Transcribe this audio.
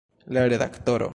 La redaktoro.